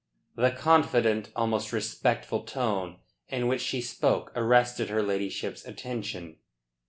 The confident, almost respectful, tone in which she spoke arrested her ladyship's attention.